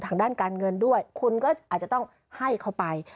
ทางด้านการเงินด้วยคุณก็อาจจะต้องให้เขาไป